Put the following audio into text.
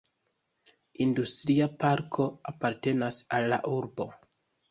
Industria parko apartenas al la urbo.